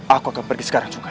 aku akan pergi sekarang juga